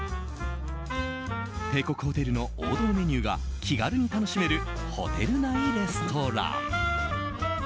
帝国ホテルの王道メニューが気軽に楽しめるホテル内レストラン。